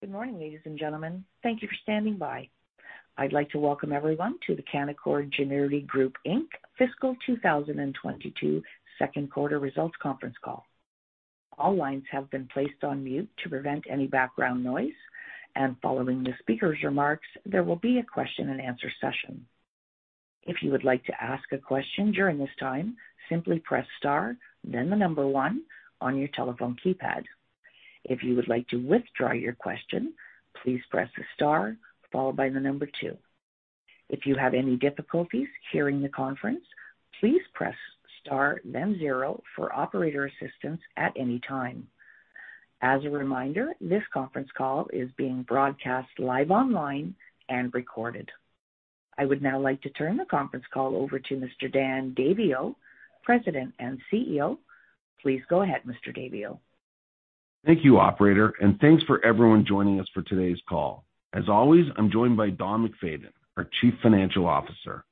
Good morning, ladies and gentlemen. Thank you for standing by. I'd like to welcome everyone to the Canaccord Genuity Group Inc. Fiscal 2022 Second Quarter Results Conference Call. All lines have been placed on mute to prevent any background noise. Following the speaker's remarks, there will be a question-and-answer session. If you would like to ask a question during this time, simply press star then the number one on your telephone keypad. If you would like to withdraw your question, please press star followed by the number two. If you have any difficulties hearing the conference, please press star then zero for operator assistance at any time. As a reminder, this conference call is being broadcast live online and recorded. I would now like to turn the conference call over to Mr. Dan Daviau, President and CEO. Please go ahead, Mr. Daviau. Thank you, operator, and thanks for everyone joining us for today's call. As always, I'm joined by Don MacFayden, our Chief Financial Officer.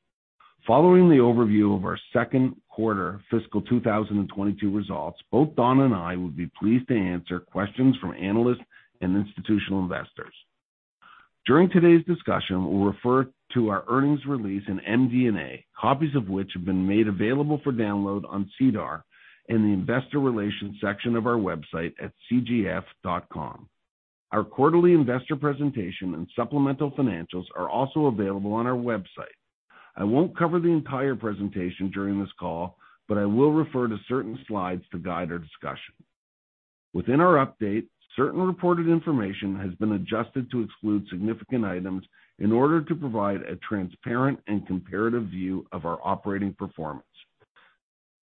Following the overview of our second quarter fiscal 2022 results, both Don and I would be pleased to answer questions from analysts and institutional investors. During today's discussion, we'll refer to our earnings release in MD&A, copies of which have been made available for download on SEDAR in the investor relations section of our website at cgf.com. Our quarterly investor presentation and supplemental financials are also available on our website. I won't cover the entire presentation during this call, but I will refer to certain slides to guide our discussion. Within our update, certain reported information has been adjusted to exclude significant items in order to provide a transparent and comparative view of our operating performance.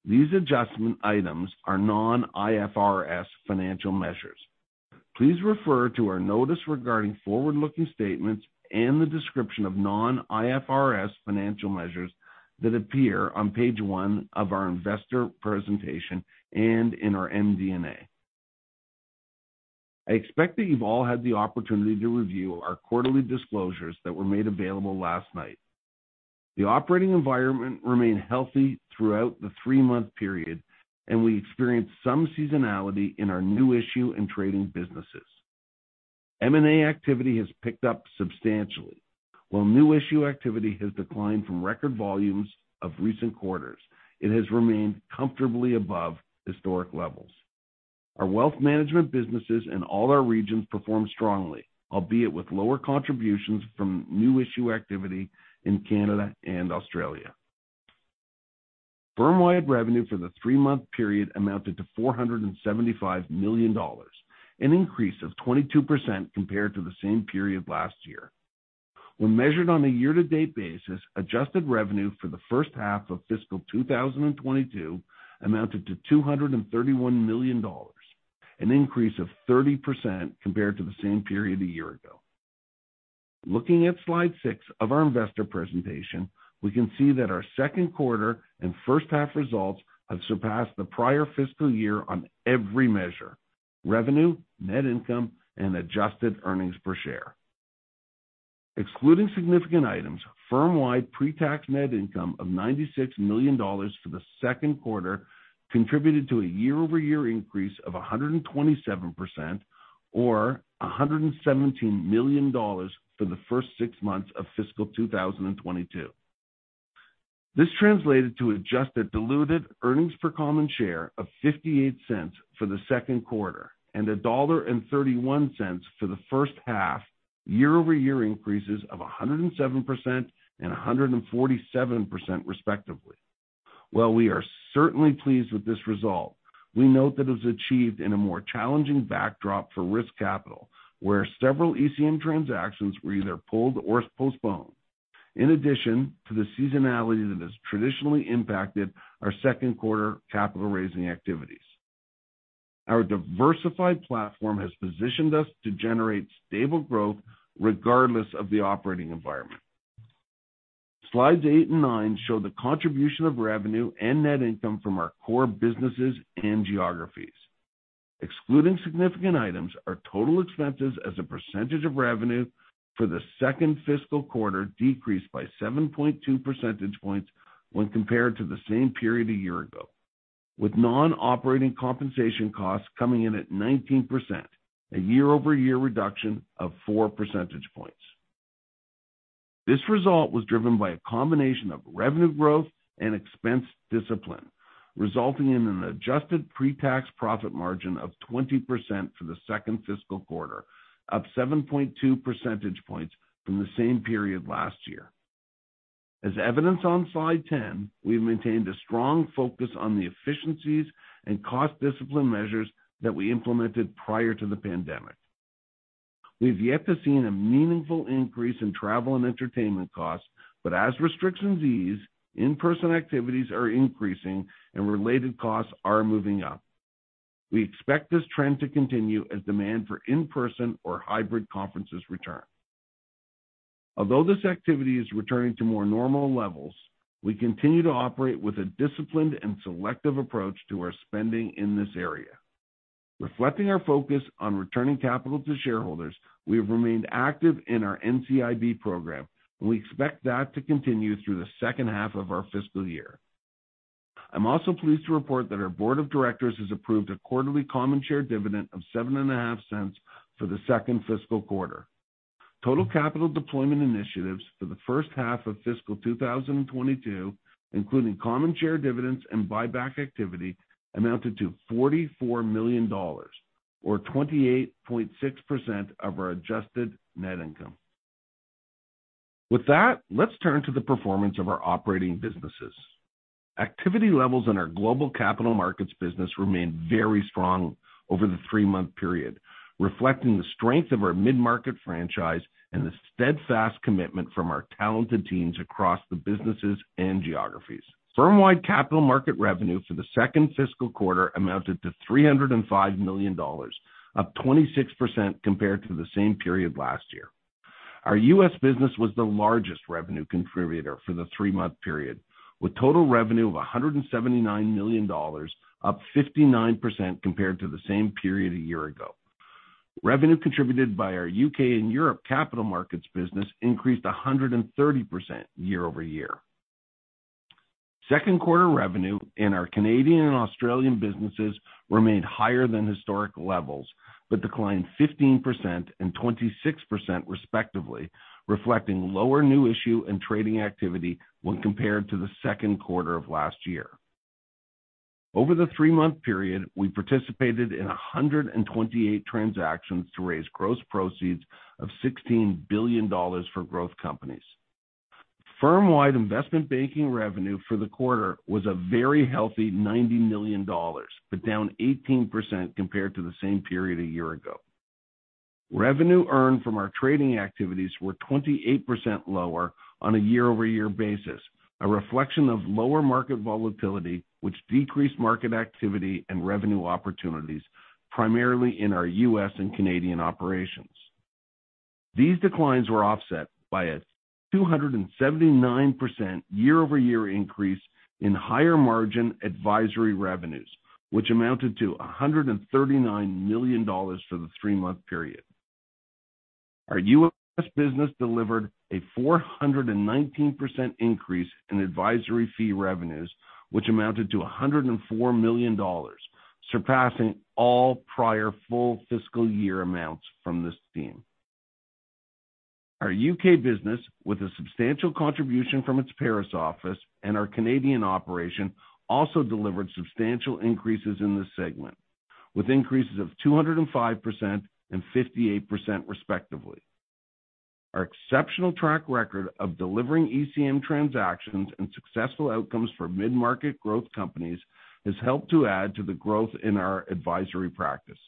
These adjustment items are non-IFRS financial measures. Please refer to our notice regarding forward-looking statements and the description of non-IFRS financial measures that appear on page one of our investor presentation and in our MD&A. I expect that you've all had the opportunity to review our quarterly disclosures that were made available last night. The operating environment remained healthy throughout the three-month period, and we experienced some seasonality in our new issue and trading businesses. M&A activity has picked up substantially. While new issue activity has declined from record volumes of recent quarters, it has remained comfortably above historic levels. Our wealth management businesses in all our regions performed strongly, albeit with lower contributions from new issue activity in Canada and Australia. Firmwide revenue for the three-month period amounted to 475 million dollars, an increase of 22% compared to the same period last year. When measured on a year-to-date basis, adjusted revenue for the first half of fiscal 2022 amounted to 231 million dollars, an increase of 30% compared to the same period a year ago. Looking at slide six of our investor presentation, we can see that our second quarter and first half results have surpassed the prior fiscal year on every measure, revenue, net income, and adjusted earnings per share. Excluding significant items, firm-wide pre-tax net income of 96 million dollars for the second quarter contributed to a year-over-year increase of 127% or 117 million dollars for the first six months of fiscal 2022. This translated to adjusted diluted earnings per common share of 0.58 for the second quarter and 1.31 dollar for the first half, year-over-year increases of 107% and 147% respectively. While we are certainly pleased with this result, we note that it was achieved in a more challenging backdrop for risk capital, where several ECM transactions were either pulled or postponed, in addition to the seasonality that has traditionally impacted our second quarter capital-raising activities. Our diversified platform has positioned us to generate stable growth regardless of the operating environment. Slides eight and nine show the contribution of revenue and net income from our core businesses and geographies. Excluding significant items, our total expenses as a percentage of revenue for the second fiscal quarter decreased by 7.2 percentage points when compared to the same period a year ago, with non-operating compensation costs coming in at 19%, a year-over-year reduction of four percentage points. This result was driven by a combination of revenue growth and expense discipline, resulting in an adjusted pre-tax profit margin of 20% for the second fiscal quarter, up 7.2 percentage points from the same period last year. As evidenced on slide 10, we've maintained a strong focus on the efficiencies and cost discipline measures that we implemented prior to the pandemic. We've yet to see a meaningful increase in travel and entertainment costs, but as restrictions ease, in-person activities are increasing and related costs are moving up. We expect this trend to continue as demand for in-person or hybrid conferences return. Although this activity is returning to more normal levels, we continue to operate with a disciplined and selective approach to our spending in this area. Reflecting our focus on returning capital to shareholders, we have remained active in our NCIB program. We expect that to continue through the second half of our fiscal year. I'm also pleased to report that our board of directors has approved a quarterly common share dividend of 0.075 for the second fiscal quarter. Total capital deployment initiatives for the first half of fiscal 2022, including common share dividends and buyback activity, amounted to 44 million dollars, or 28.6% of our adjusted net income. With that, let's turn to the performance of our operating businesses. Activity levels in our global capital markets business remained very strong over the three-month period, reflecting the strength of our mid-market franchise and the steadfast commitment from our talented teams across the businesses and geographies. Firm-wide capital markets revenue for the second fiscal quarter amounted to 305 million dollars, up 26% compared to the same period last year. Our U.S. business was the largest revenue contributor for the three-month period, with total revenue of 179 million dollars, up 59% compared to the same period a year ago. Revenue contributed by our U.K. and Europe capital markets business increased 130% year-over-year. Second quarter revenue in our Canadian and Australian businesses remained higher than historic levels, but declined 15% and 26% respectively, reflecting lower new issue and trading activity when compared to the second quarter of last year. Over the three-month period, we participated in 128 transactions to raise gross proceeds of 16 billion dollars for growth companies. Firm-wide investment banking revenue for the quarter was a very healthy 90 million dollars, but down 18% compared to the same period a year ago. Revenue earned from our trading activities were 28% lower on a year-over-year basis, a reflection of lower market volatility which decreased market activity and revenue opportunities, primarily in our U.S. and Canadian operations. These declines were offset by a 279% year-over-year increase in higher margin advisory revenues, which amounted to 139 million dollars for the three-month period. Our U.S. business delivered a 419% increase in advisory fee revenues, which amounted to 104 million dollars, surpassing all prior full fiscal year amounts from this team. Our U.K. business, with a substantial contribution from its Paris office and our Canadian operation, also delivered substantial increases in this segment with increases of 205% and 58% respectively. Our exceptional track record of delivering ECM transactions and successful outcomes for mid-market growth companies has helped to add to the growth in our advisory practice.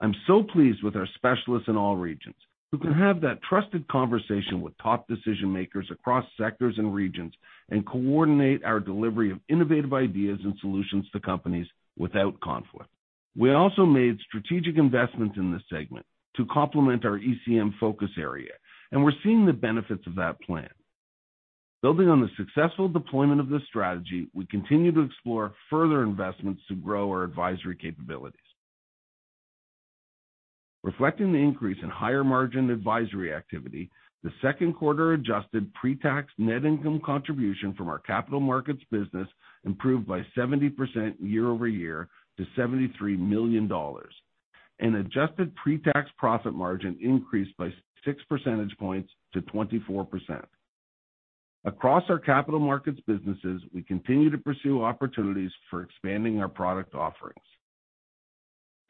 I'm so pleased with our specialists in all regions who can have that trusted conversation with top decision makers across sectors and regions and coordinate our delivery of innovative ideas and solutions to companies without conflict. We also made strategic investments in this segment to complement our ECM focus area, and we're seeing the benefits of that plan. Building on the successful deployment of this strategy, we continue to explore further investments to grow our advisory capabilities. Reflecting the increase in higher margin advisory activity, the second quarter adjusted pre-tax net income contribution from our capital markets business improved by 70% year-over-year to 73 million dollars. An adjusted pre-tax profit margin increased by six percentage points to 24%. Across our capital markets businesses, we continue to pursue opportunities for expanding our product offerings.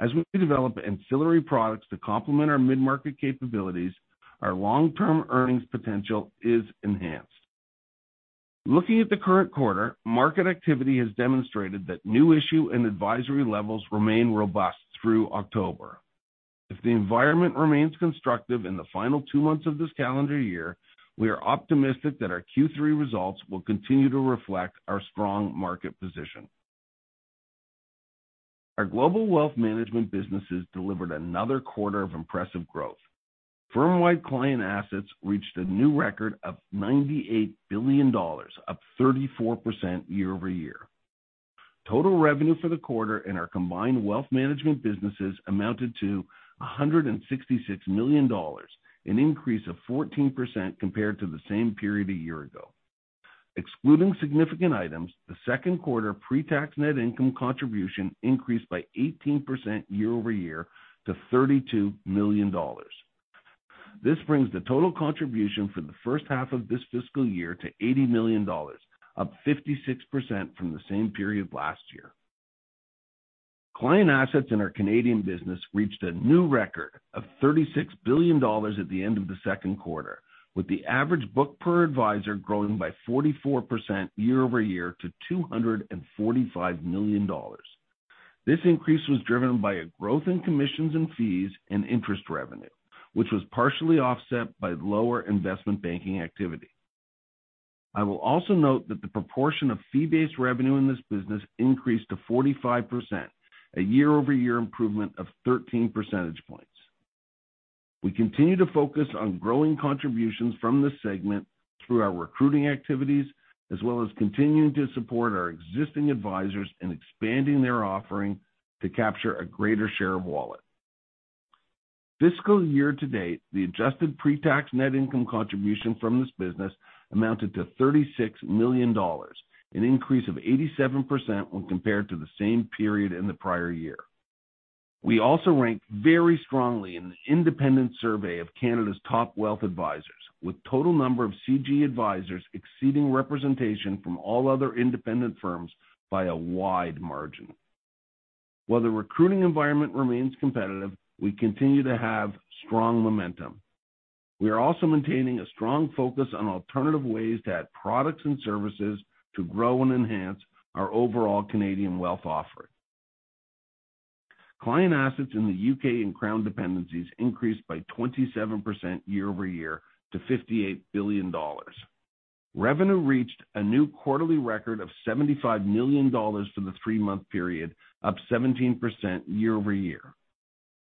As we develop ancillary products to complement our mid-market capabilities, our long-term earnings potential is enhanced. Looking at the current quarter, market activity has demonstrated that new issue and advisory levels remain robust through October. If the environment remains constructive in the final two months of this calendar year, we are optimistic that our Q3 results will continue to reflect our strong market position. Our global wealth management businesses delivered another quarter of impressive growth. Firm-wide client assets reached a new record of 98 billion dollars, up 34% year-over-year. Total revenue for the quarter in our combined wealth management businesses amounted to 166 million dollars, an increase of 14% compared to the same period a year ago. Excluding significant items, the second quarter pre-tax net income contribution increased by 18% year-over-year to 32 million dollars. This brings the total contribution for the first half of this fiscal year to 80 million dollars, up 56% from the same period last year. Client assets in our Canadian business reached a new record of 36 billion dollars at the end of the second quarter, with the average book per advisor growing by 44% year-over-year to 245 million dollars. This increase was driven by a growth in commissions and fees and interest revenue, which was partially offset by lower investment banking activity. I will also note that the proportion of fee-based revenue in this business increased to 45%, a year-over-year improvement of 13 percentage points. We continue to focus on growing contributions from this segment through our recruiting activities, as well as continuing to support our existing advisors in expanding their offering to capture a greater share of wallet. Fiscal year to date, the adjusted pre-tax net income contribution from this business amounted to 36 million dollars, an increase of 87% when compared to the same period in the prior year. We also ranked very strongly in the independent survey of Canada's top wealth advisors with total number of CG advisors exceeding representation from all other independent firms by a wide margin. While the recruiting environment remains competitive, we continue to have strong momentum. We are also maintaining a strong focus on alternative ways to add products and services to grow and enhance our overall Canadian wealth offering. Client assets in the U.K. and Crown dependencies increased by 27% year-over-year to 58 billion dollars. Revenue reached a new quarterly record of 75 million dollars for the three-month period, up 17% year-over-year.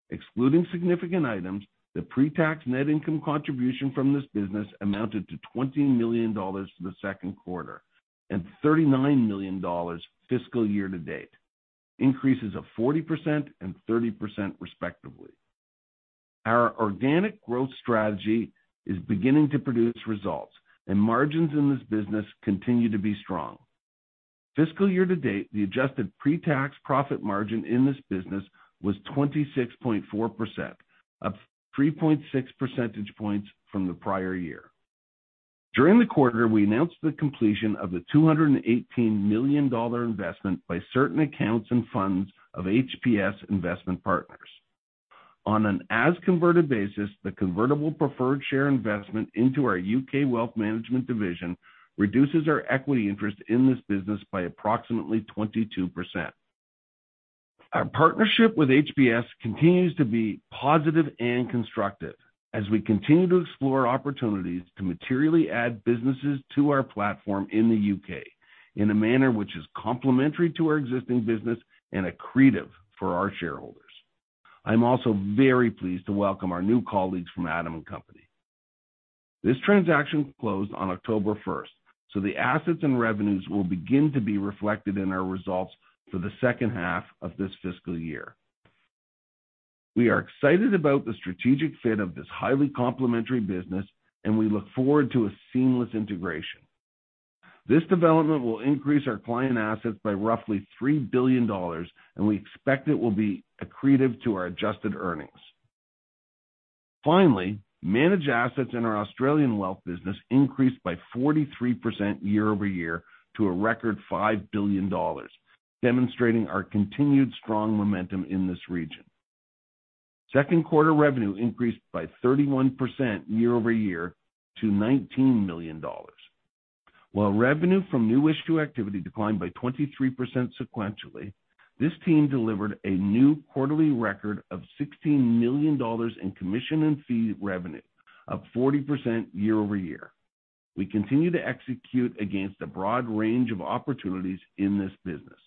Excluding significant items, the pre-tax net income contribution from this business amounted to 20 million dollars for the second quarter and 39 million dollars fiscal year to date, increases of 40% and 30% respectively. Our organic growth strategy is beginning to produce results, and margins in this business continue to be strong. Fiscal year to date, the adjusted pre-tax profit margin in this business was 26.4%, up 3.6 percentage points from the prior year. During the quarter, we announced the completion of the 218 million dollar investment by certain accounts and funds of HPS Investment Partners. On an as converted basis, the convertible preferred share investment into our U.K. wealth management division reduces our equity interest in this business by approximately 22%. Our partnership with HPS continues to be positive and constructive as we continue to explore opportunities to materially add businesses to our platform in the U.K. in a manner which is complementary to our existing business and accretive for our shareholders. I'm also very pleased to welcome our new colleagues from Adam & Company. This transaction closed on October 1st, so the assets and revenues will begin to be reflected in our results for the second half of this fiscal year. We are excited about the strategic fit of this highly complementary business, and we look forward to a seamless integration. This development will increase our client assets by roughly 3 billion dollars, and we expect it will be accretive to our adjusted earnings. Finally, managed assets in our Australian wealth business increased by 43% year-over-year to a record 5 billion dollars, demonstrating our continued strong momentum in this region. Second quarter revenue increased by 31% year-over-year to 19 million dollars. While revenue from new issue activity declined by 23% sequentially, this team delivered a new quarterly record of 16 million dollars in commission and fee revenue, up 40% year-over-year. We continue to execute against a broad range of opportunities in this business.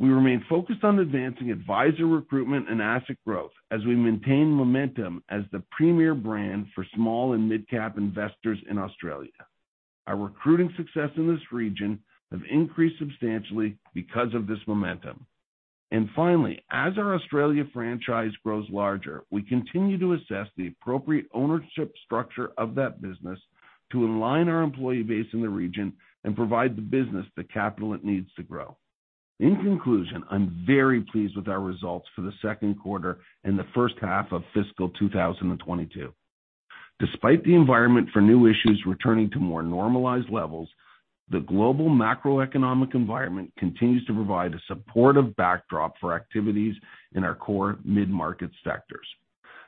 We remain focused on advancing advisor recruitment and asset growth as we maintain momentum as the premier brand for small and mid-cap investors in Australia. Our recruiting success in this region have increased substantially because of this momentum. Finally, as our Australia franchise grows larger, we continue to assess the appropriate ownership structure of that business to align our employee base in the region and provide the business the capital it needs to grow. In conclusion, I'm very pleased with our results for the second quarter and the first half of fiscal 2022. Despite the environment for new issues returning to more normalized levels, the global macroeconomic environment continues to provide a supportive backdrop for activities in our core mid-market sectors.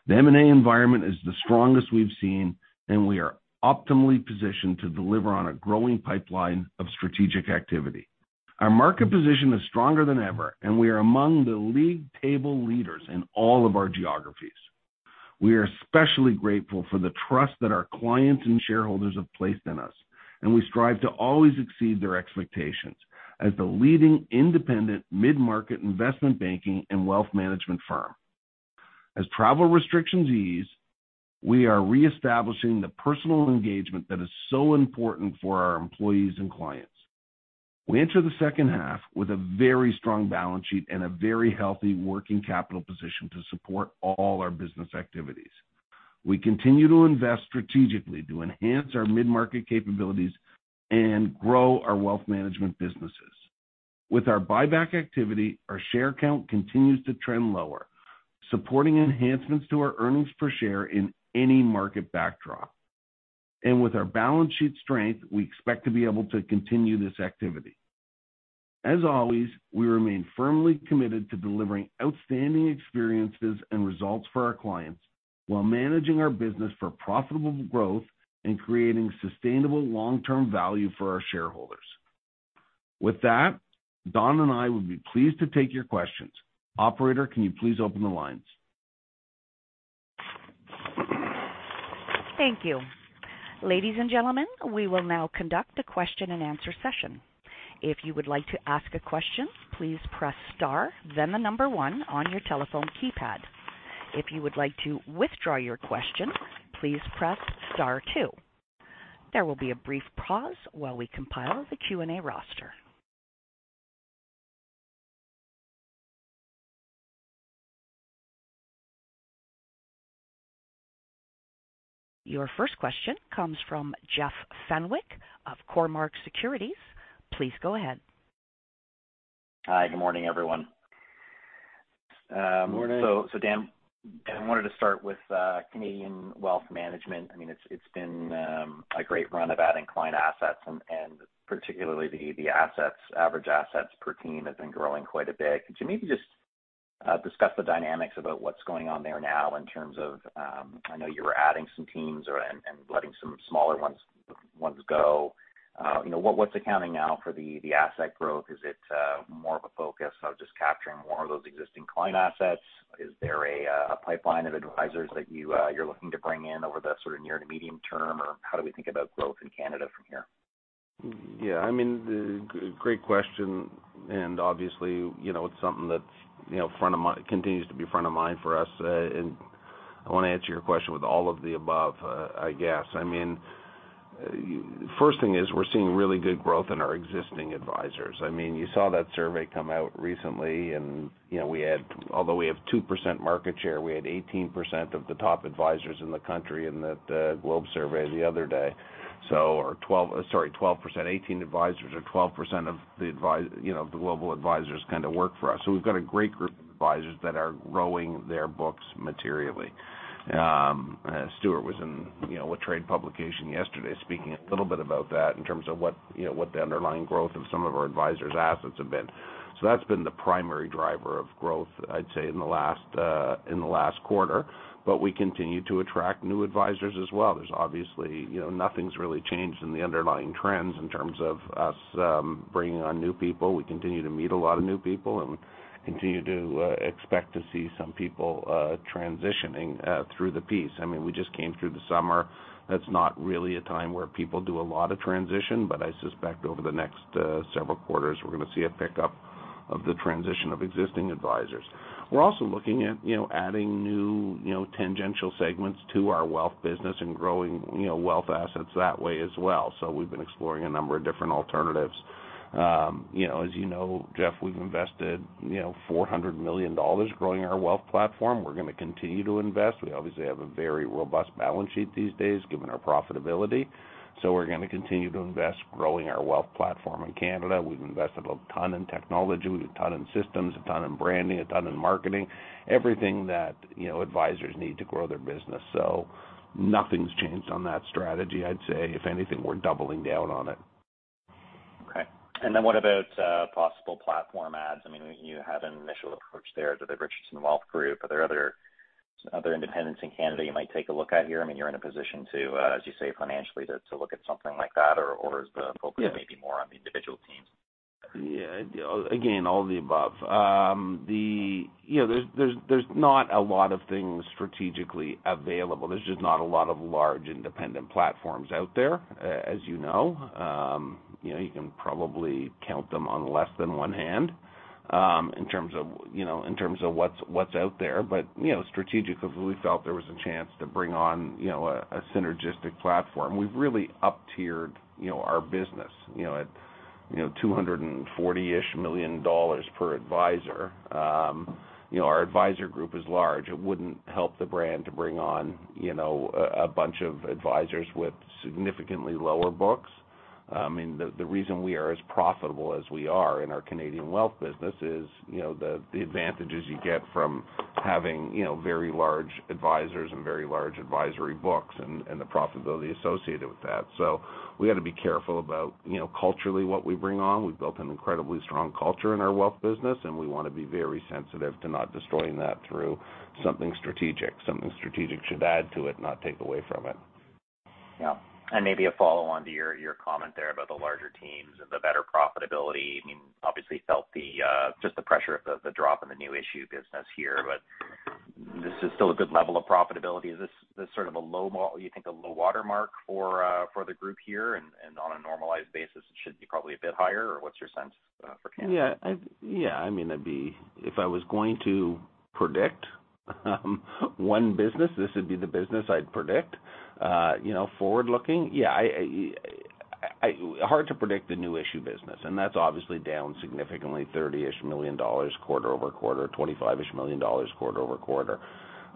The M&A environment is the strongest we've seen, and we are optimally positioned to deliver on a growing pipeline of strategic activity. Our market position is stronger than ever, and we are among the league table leaders in all of our geographies. We are especially grateful for the trust that our clients and shareholders have placed in us, and we strive to always exceed their expectations as the leading independent mid-market investment banking and wealth management firm. As travel restrictions ease, we are reestablishing the personal engagement that is so important for our employees and clients. We enter the second half with a very strong balance sheet and a very healthy working capital position to support all our business activities. We continue to invest strategically to enhance our mid-market capabilities and grow our wealth management businesses. With our buyback activity, our share count continues to trend lower, supporting enhancements to our earnings per share in any market backdrop. With our balance sheet strength, we expect to be able to continue this activity. As always, we remain firmly committed to delivering outstanding experiences and results for our clients while managing our business for profitable growth and creating sustainable long-term value for our shareholders. With that, Don and I would be pleased to take your questions. Operator, can you please open the lines? Thank you. Ladies and gentlemen, we will now conduct a question and answer session. If you would like to ask a question, please press star, then the number one on your telephone keypad. If you would like to withdraw your question, please press star two. There will be a brief pause while we compile the Q&A roster. Your first question comes from Jeff Fenwick of Cormark Securities. Please go ahead. Hi, good morning, everyone. Morning. Dan, I wanted to start with Canadian wealth management. I mean, it's been a great run of adding client assets, and particularly the average assets per team has been growing quite a bit. Could you maybe just discuss the dynamics about what's going on there now in terms of, I know you were adding some teams or and letting some smaller ones go. You know, what's accounting now for the asset growth? Is it more of a focus of just capturing more of those existing client assets? Is there a pipeline of advisors that you're looking to bring in over the sort of near to medium term? How do we think about growth in Canada from here? Yeah, I mean, great question, and obviously, you know, it's something that's, you know, front of mind, continues to be front of mind for us. I wanna answer your question with all of the above, I guess. I mean, first thing is we're seeing really good growth in our existing advisors. I mean, you saw that survey come out recently and, you know, we had, although we have 2% market share, w`````e had 18% of the top advisors in the country in the Globe survey the other day. So our 12, sorry, 12%, 18 advisors or 12% of the advisors, you know, the Globe advisors kind of work for us. So we've got a great group of advisors that are growing their books materially. Stuart was in, you know, a trade publication yesterday speaking a little bit about that in terms of what, you know, what the underlying growth of some of our advisors assets have been. That's been the primary driver of growth, I'd say, in the last quarter, but we continue to attract new advisors as well. There's obviously, you know, nothing's really changed in the underlying trends in terms of us bringing on new people. We continue to meet a lot of new people, and we continue to expect to see some people transitioning through the piece. I mean, we just came through the summer. That's not really a time where people do a lot of transition, but I suspect over the next several quarters, we're gonna see a pickup of the transition of existing advisors. We're also looking at, you know, adding new, you know, tangential segments to our wealth business and growing, you know, wealth assets that way as well. We've been exploring a number of different alternatives. You know, as you know, Jeff, we've invested, you know, 400 million dollars growing our wealth platform. We're gonna continue to invest. We obviously have a very robust balance sheet these days given our profitability, so we're gonna continue to invest growing our wealth platform in Canada. We've invested a ton in technology, we did a ton in systems, a ton in branding, a ton in marketing, everything that, you know, advisors need to grow their business. Nothing's changed on that strategy, I'd say. If anything, we're doubling down on it. Okay. What about possible platform adds? I mean, you had an initial approach there to the Richardson Wealth. Are there other independents in Canada you might take a look at here? I mean, you're in a position to, as you say, financially to look at something like that? Or is the focus- Yeah. Maybe more on the individual teams? Yeah. Again, all of the above. You know, there's not a lot of things strategically available. There's just not a lot of large independent platforms out there, as you know. You know, you can probably count them on less than one hand, in terms of what's out there. But you know, strategically, we felt there was a chance to bring on a synergistic platform. We've really up-tiered our business at 240-ish million dollars per advisor. Our advisor group is large. It wouldn't help the brand to bring on a bunch of advisors with significantly lower books. I mean, the reason we are as profitable as we are in our Canadian wealth business is, you know, the advantages you get from having, you know, very large advisors and very large advisory books and the profitability associated with that. We got to be careful about, you know, culturally what we bring on. We've built an incredibly strong culture in our wealth business, and we want to be very sensitive to not destroying that through something strategic. Something strategic should add to it, not take away from it. Yeah. Maybe a follow-on to your comment there about the larger teams and the better profitability. I mean, obviously felt just the pressure of the drop in the new issue business here, but this is still a good level of profitability. Is this the sort of a low watermark for the group here? On a normalized basis, it should be probably a bit higher, or what's your sense for Canada? Yeah. I mean, it'd be. If I was going to predict one business, this would be the business I'd predict, you know, forward-looking. Yeah, I. Hard to predict the new issue business, and that's obviously down significantly 30-ish million dollars quarter-over-quarter, 25-ish million dollars quarter-over-quarter.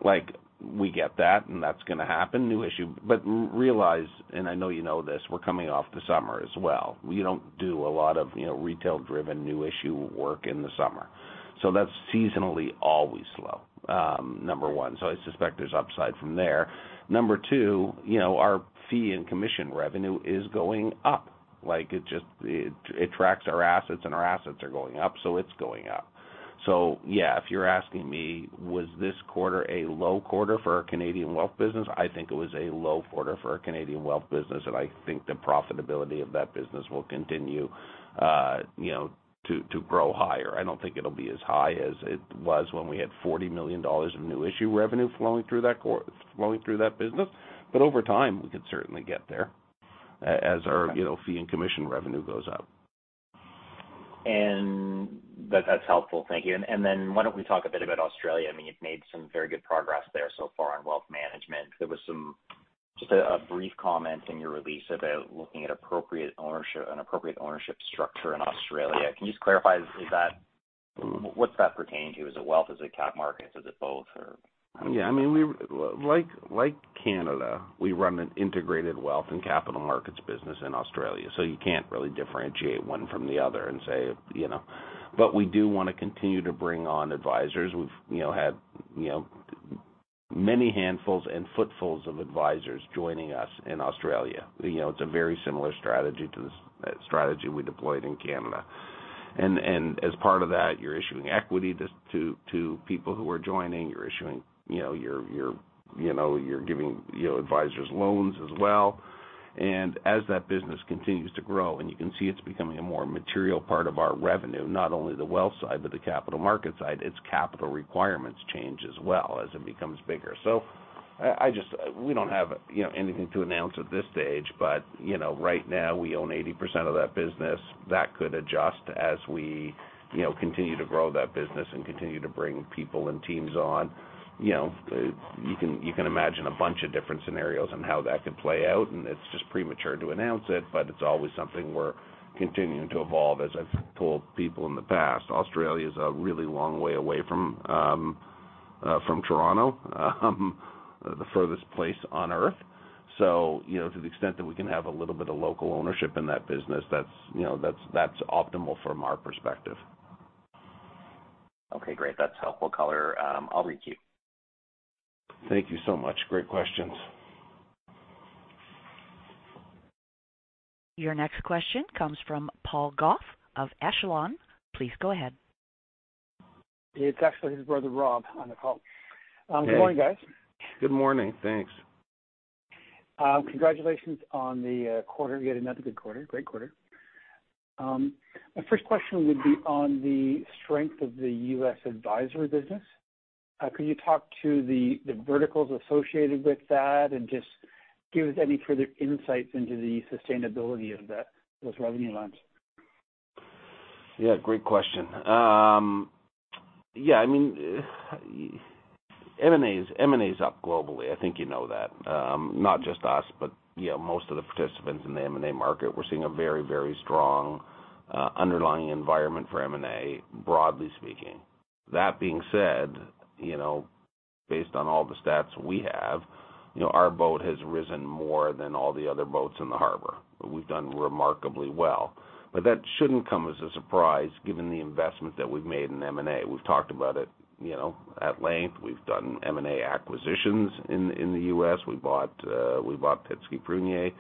Like, we get that, and that's gonna happen, new issue. Realize, and I know you know this, we're coming off the summer as well. We don't do a lot of, you know, retail-driven new issue work in the summer. So that's seasonally always slow, number one, so I suspect there's upside from there. Number two, you know, our fee and commission revenue is going up. Like, it tracks our assets, and our assets are going up, so it's going up. Yeah, if you're asking me, was this quarter a low quarter for our Canadian wealth business? I think it was a low quarter for our Canadian wealth business, and I think the profitability of that business will continue, you know, to grow higher. I don't think it'll be as high as it was when we had 40 million dollars of new issue revenue flowing through that business. Over time, we could certainly get there as our, you know, fee and commission revenue goes up. That, that's helpful. Thank you. Then why don't we talk a bit about Australia? I mean, you've made some very good progress there so far on wealth management. Just a brief comment in your release about looking at appropriate ownership and appropriate ownership structure in Australia. Can you just clarify, is that- Mm-hmm. What's that pertaining to? Is it wealth? Is it cap markets? Is it both, or I don't know. Yeah. I mean, we, like Canada, we run an integrated wealth and capital markets business in Australia, so you can't really differentiate one from the other and say, you know. We do wanna continue to bring on advisors. We've, you know, had, you know, many handfuls and footfalls of advisors joining us in Australia. You know, it's a very similar strategy to the strategy we deployed in Canada. And as part of that, you're issuing equity to people who are joining. You're issuing, you know, you're giving advisors loans as well. As that business continues to grow, and you can see it's becoming a more material part of our revenue, not only the wealth side but the capital market side, its capital requirements change as well as it becomes bigger. We don't have, you know, anything to announce at this stage. You know, right now, we own 80% of that business. That could adjust as we, you know, continue to grow that business and continue to bring people and teams on. You know, you can imagine a bunch of different scenarios on how that could play out, and it's just premature to announce it, but it's always something we're continuing to evolve. As I've told people in the past, Australia's a really long way away from Toronto, the furthest place on Earth. You know, to the extent that we can have a little bit of local ownership in that business, that's, you know, that's optimal from our perspective. Okay, great. That's helpful color. I'll re-queue. Thank you so much. Great questions. Your next question comes from Rob Goff of Echelon. Please go ahead. It's actually his brother, Rob, on the call. Hey. Good morning, guys. Good morning. Thanks. Congratulations on the quarter. You had another good quarter, great quarter. My first question would be on the strength of the U.S. advisory business. Could you talk to the verticals associated with that and just give us any further insights into the sustainability of those revenue lines? Yeah, great question. Yeah, I mean, M&A's up globally. I think you know that. Not just us, but you know, most of the participants in the M&A market, we're seeing a very strong underlying environment for M&A, broadly speaking. That being said, you know, based on all the stats we have, you know, our boat has risen more than all the other boats in the harbor. We've done remarkably well. That shouldn't come as a surprise given the investment that we've made in M&A. We've talked about it, you know, at length. We've done M&A acquisitions in the U.S. We bought Petsky Prunier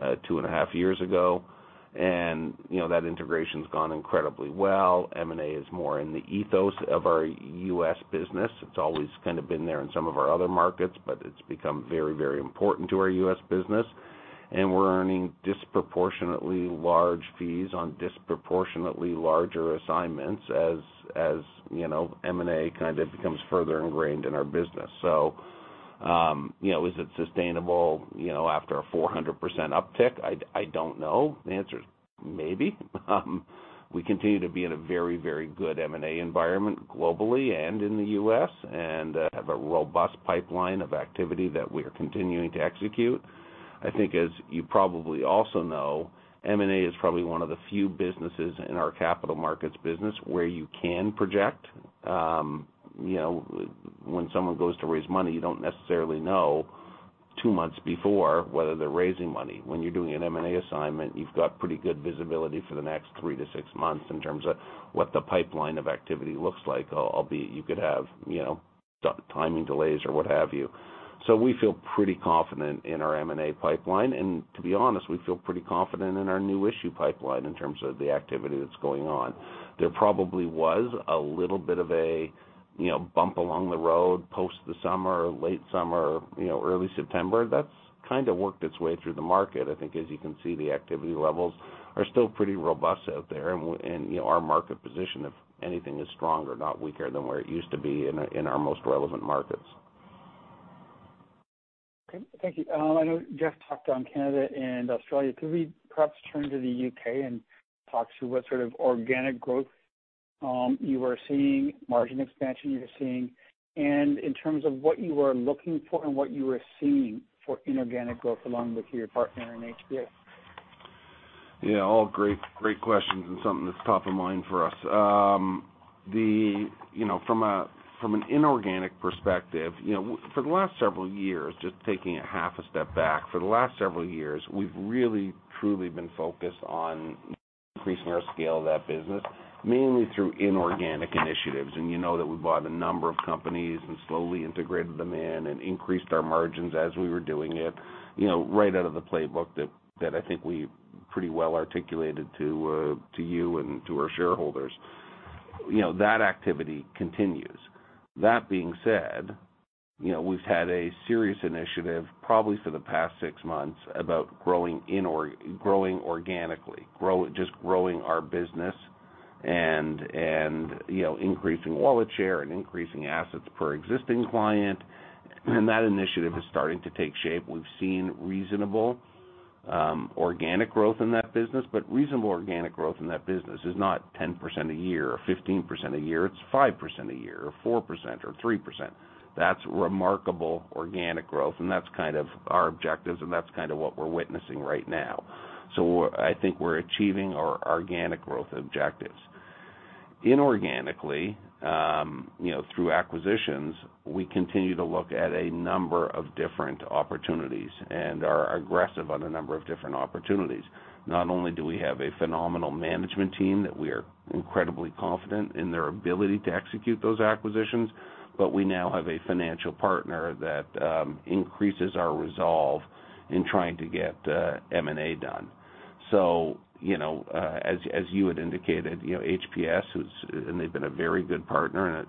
2.5 years ago. You know, that integration's gone incredibly well. M&A is more in the ethos of our U.S. business. It's always kind of been there in some of our other markets, but it's become very, very important to our U.S. business. We're earning disproportionately large fees on disproportionately larger assignments as you know, M&A kind of becomes further ingrained in our business. You know, is it sustainable, you know, after a 400% uptick? I don't know. The answer is maybe. We continue to be in a very, very good M&A environment globally and in the U.S. and have a robust pipeline of activity that we are continuing to execute. I think as you probably also know, M&A is probably one of the few businesses in our capital markets business where you can project. You know, when someone goes to raise money, you don't necessarily know two months before whether they're raising money. When you're doing an M&A assignment, you've got pretty good visibility for the next three to six months in terms of what the pipeline of activity looks like, albeit you could have, you know, timing delays or what have you. We feel pretty confident in our M&A pipeline. To be honest, we feel pretty confident in our new issue pipeline in terms of the activity that's going on. There probably was a little bit of a, you know, bump along the road post the summer, late summer, you know, early September. That's kind of worked its way through the market. I think as you can see, the activity levels are still pretty robust out there. You know, our market position, if anything, is stronger, not weaker than where it used to be in our most relevant markets. Okay. Thank you. I know Jeff talked on Canada and Australia. Could we perhaps turn to the U.K. and talk to what sort of organic growth you are seeing, margin expansion you're seeing, and in terms of what you are looking for and what you are seeing for inorganic growth along with your partner in HPS? Yeah, all great questions and something that's top of mind for us. You know, from an inorganic perspective, you know, for the last several years, just taking a half a step back, we've really, truly been focused on increasing our scale of that business, mainly through inorganic initiatives. You know that we bought a number of companies and slowly integrated them in and increased our margins as we were doing it, you know, right out of the playbook that I think we pretty well articulated to you and to our shareholders. You know, that activity continues. That being said, you know, we've had a serious initiative probably for the past six months about growing organically. Just growing our business and, you know, increasing wallet share and increasing assets per existing client. That initiative is starting to take shape. We've seen reasonable organic growth in that business, but reasonable organic growth in that business is not 10% a year or 15% a year, it's 5% a year or 4% or 3%. That's remarkable organic growth, and that's kind of our objectives, and that's kinda what we're witnessing right now. I think we're achieving our organic growth objectives. Inorganically, you know, through acquisitions, we continue to look at a number of different opportunities and are aggressive on a number of different opportunities. Not only do we have a phenomenal management team that we are incredibly confident in their ability to execute those acquisitions, but we now have a financial partner that increases our resolve in trying to get M&A done. You know, as you had indicated, you know, HPS is a very good partner,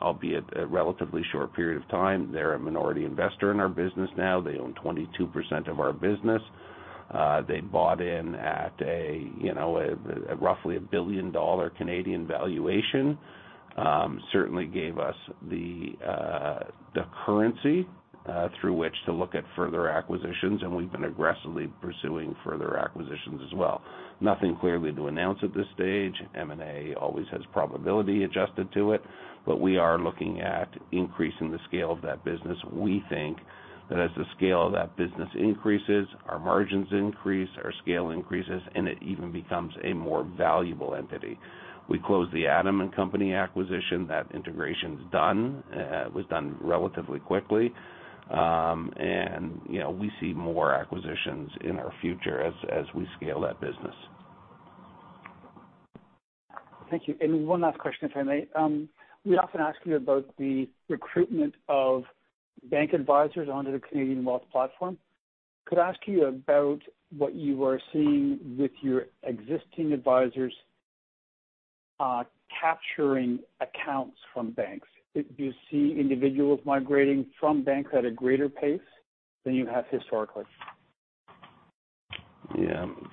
albeit in a relatively short period of time. They're a minority investor in our business now. They own 22% of our business. they bought in at a, you know, roughly a 1 billion dollar valuation. certainly gave us the currency through which to look at further acquisitions, and we've been aggressively pursuing further acquisitions as well. Nothing clearly to announce at this stage. M&A always has probability adjusted to it, but we are looking at increasing the scale of that business. We think that as the scale of that business increases, our margins increase, our scale increases, and it even becomes a more valuable entity. We closed the Adam & Company acquisition. That integration's done. it was done relatively quickly. You know, we see more acquisitions in our future as we scale that business. Thank you. One last question, if I may. We often ask you about the recruitment of bank advisors onto the Canadian Wealth platform. Could I ask you about what you are seeing with your existing advisors, capturing accounts from banks? Do you see individuals migrating from banks at a greater pace than you have historically?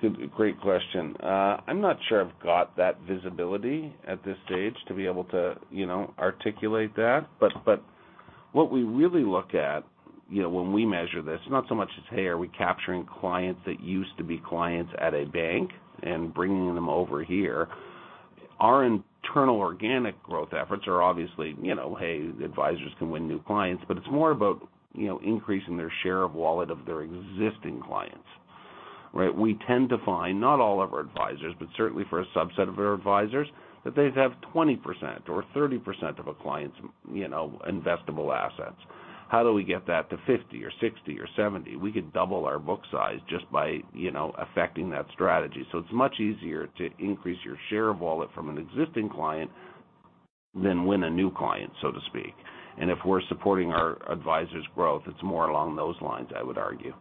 Good, great question. I'm not sure I've got that visibility at this stage to be able to, you know, articulate that. What we really look at, you know, when we measure this, not so much as, hey, are we capturing clients that used to be clients at a bank and bringing them over here. Our internal organic growth efforts are obviously, you know, hey, advisors can win new clients, but it's more about, you know, increasing their share of wallet of their existing clients, right? We tend to find not all of our advisors, but certainly for a subset of our advisors, that they have 20% or 30% of a client's, you know, investable assets. How do we get that to 50 or 60 or 70? We could double our book size just by, you know, affecting that strategy. It's much easier to increase your share of wallet from an existing client than win a new client, so to speak. If we're supporting our advisors' growth, it's more along those lines, I would argue.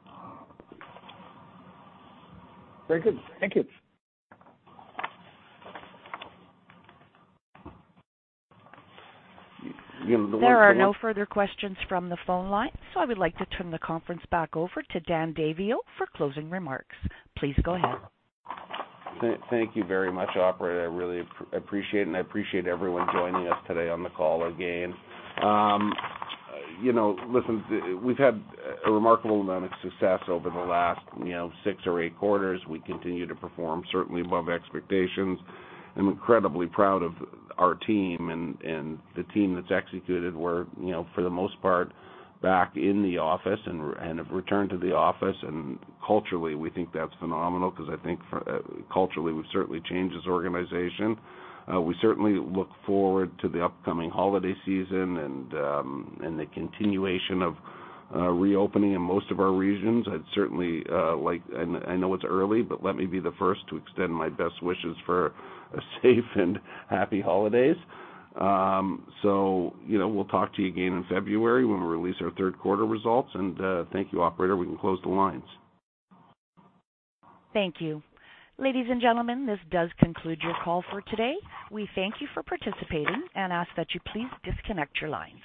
Very good. Thank you. Yeah. The lines are now. There are no further questions from the phone line, so I would like to turn the conference back over to Dan Daviau for closing remarks. Please go ahead. Thank you very much, Operator. I really appreciate it, and I appreciate everyone joining us today on the call again. You know, listen, we've had a remarkable amount of success over the last, you know, six or eight quarters. We continue to perform certainly above expectations. I'm incredibly proud of our team and the team that's executed. We're, you know, for the most part, back in the office and have returned to the office. Culturally, we think that's phenomenal because I think culturally, we've certainly changed this organization. We certainly look forward to the upcoming holiday season and the continuation of reopening in most of our regions. I'd certainly like. I know it's early but let me be the first to extend my best wishes for a safe and happy holidays. You know, we'll talk to you again in February when we release our third quarter results. Thank you, operator. We can close the lines. Thank you. Ladies and gentlemen, this does conclude your call for today. We thank you for participating and ask that you please disconnect your lines.